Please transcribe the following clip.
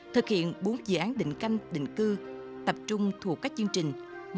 thực hiện bốn dự án định canh định cư tập trung thuộc các chương trình một trăm ba mươi bốn một trăm ba mươi năm